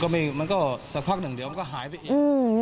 มันก็สักพักหนึ่งเดี๋ยวมันก็หายไปอีก